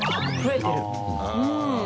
うん。